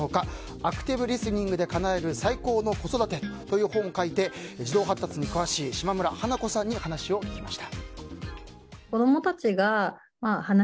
「アクティブリスニングでかなえる最高の子育て」という本を書いて児童発達に詳しい島村華子さんに話を聞きました。